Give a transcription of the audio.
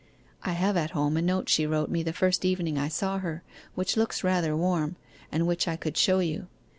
I have at home a note she wrote me the first evening I saw her, which looks rather warm, and which I could show you.